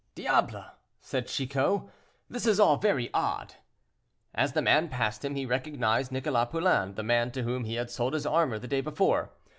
"Diable!" said Chicot, "this is all very odd." As the man passed him, he recognized Nicholas Poulain, the man to whom he had sold his armor the day before.